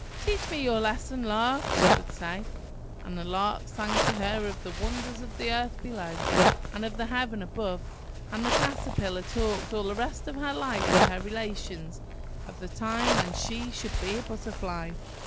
"Teach me your lesson, Lark!" she would say; and the Lark sang to her of the wonders of the earth below, and of the heaven above. And the Caterpillar talked all the rest of her life to her relations of the time when she should be a Butterfly.